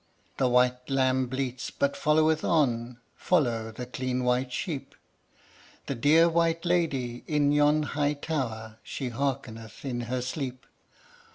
The white lamb bleats but followeth on Follow the clean white sheep. The dear white lady in yon high tower, She hearkeneth in her sleep.